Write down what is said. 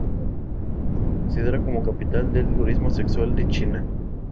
Se le considera como la capital del turismo sexual de China.